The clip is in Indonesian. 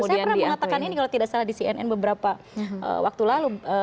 saya pernah mengatakan ini kalau tidak salah di cnn beberapa waktu lalu